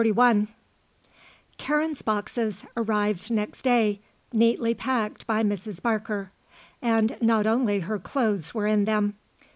CHAPTER XXXI Karen's boxes arrived next day, neatly packed by Mrs. Barker. And not only her clothes were in them.